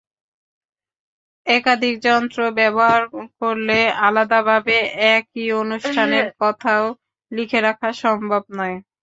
একাধিক যন্ত্র ব্যবহার করলে আলাদাভাবে একই অনুষ্ঠানের কথাও লিখে রাখা সম্ভব নয়।